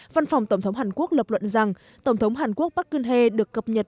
văn phòng tổng thống hàn quốc lập luận rằng tổng thống hàn quốc park geun hye được cập nhật